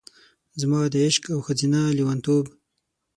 زما د عشق او ښځینه لیونتوب،